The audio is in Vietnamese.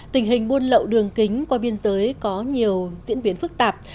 tình hình buôn lậu đường kính qua biên giới có nhiều diễn biến phức tạp